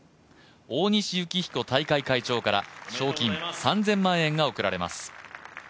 大西幸彦大会会長から賞金３０００万円が贈られます。